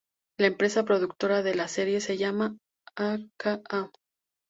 La empresa productora de la serie se llama a.k.a.